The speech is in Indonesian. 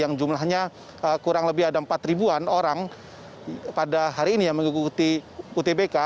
yang jumlahnya kurang lebih ada empat ribuan orang pada hari ini yang mengikuti utbk